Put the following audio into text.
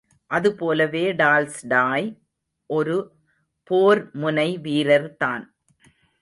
அது போலவே டால்ஸ்டாய் ஒரு போர் முனைவீரர்தான்.